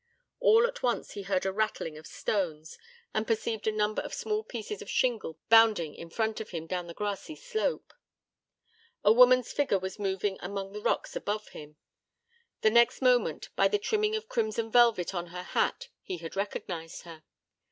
All at once he heard a rattling of stones, and perceived a number of small pieces of shingle bounding in front of him down the grassy slope. A woman's figure was moving among the rocks above him. The next moment, by the trimming of crimson velvet on her hat, he had recognized her.